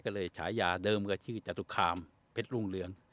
ก็เลยขายอ่าเดิมก็ชื่อจะถูกขามเพชรรุงเหลือง